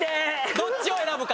どっちを選ぶか？